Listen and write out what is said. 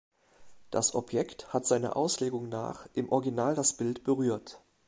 Das Objekt hat seiner Auslegung nach im Original das Bild berührt.